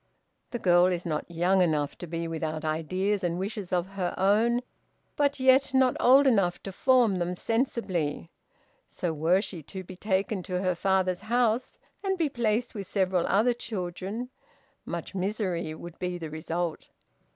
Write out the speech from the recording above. The girl is not young enough to be without ideas and wishes of her own, but yet not old enough to form them sensibly; so were she to be taken to her father's house and be placed with several other children, much misery would be the result.